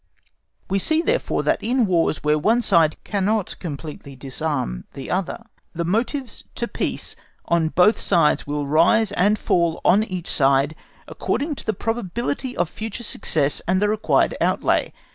We see, therefore, that in Wars where one side cannot completely disarm the other, the motives to peace on both sides will rise or fall on each side according to the probability of future success and the required outlay.